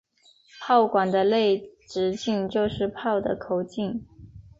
炮管的内直径就是炮的口径。